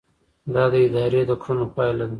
دا د ادارې د کړنو پایله ده.